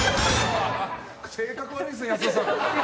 性格悪いですね、保田さん。